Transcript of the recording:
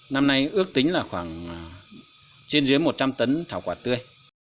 năm nay ước tính là khoảng trên dưới một trăm linh tấn thảo quả tươi